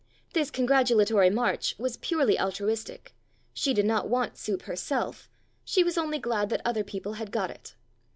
This congratulatory march was purely altruistic : she did not want soup herself; she was only glad that other people had got it.